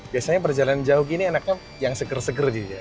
biasanya perjalanan jauh gini enaknya yang seger seger sih ya